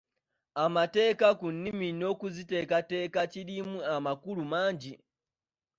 Amateeka ku nnimi n'okuziteekerateekera kirimu amakulu mangi.